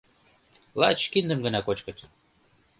Лач киндым гына кочкыт.